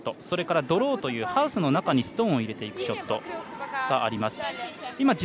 それからドローと呼ばれるハウスの中にストーンを入れていくショットがあります。